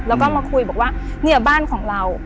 แล้วก็มาคุยบอกว่าเนี่ยบ้านของเรา